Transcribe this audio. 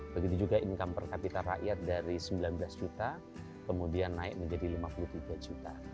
begitu juga income per kapita rakyat dari sembilan belas juta kemudian naik menjadi lima puluh tiga juta